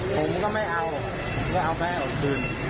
ผมก็ไม่เอาแล้วเอาไปให้ออกคืน